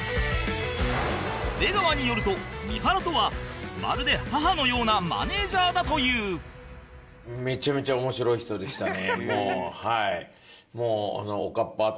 出川によると三原とはまるで母のようなマネージャーだというような方でしたね。